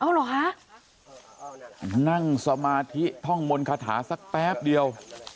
เหรอคะนั่งสมาธิท่องมนต์คาถาสักแป๊บเดียว